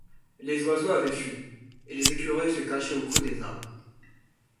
Les oiseaux avaient fui et les écureuils se cachaient au creux des arbres.